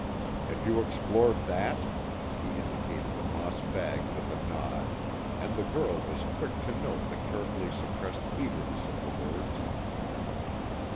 "Have you explored that?" He indicated the moss bag with a nod, and the girl was quick to note the carefully suppressed eagerness of the words.